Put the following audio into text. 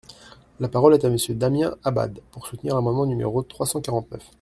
La parole est à Monsieur Damien Abad, pour soutenir l’amendement numéro trois cent quarante-neuf.